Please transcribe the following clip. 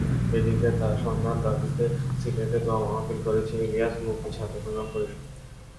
এদিন তাঁর সন্ধান দাবিতে সিলেটে দোয়া মাহফিল করেছে ইলিয়াস মুক্তি ছাত্রসংগ্রাম পরিষদ।